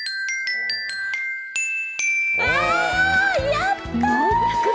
やった。